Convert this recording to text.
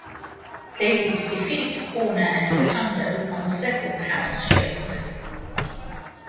They would defeat Horner and Rotundo on several house shows.